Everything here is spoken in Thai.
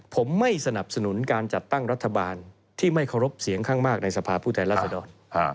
ผมไม่สนับสนุนการจัดตั้งรัฐบาลที่ไม่เคารพเสียงข้างมากในสภาพผู้แทนรัศดร